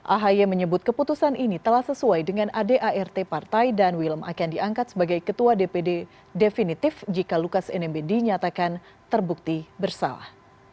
ahy menyebut keputusan ini telah sesuai dengan adart partai dan wilm akan diangkat sebagai ketua dpd definitif jika lukas nmb dinyatakan terbukti bersalah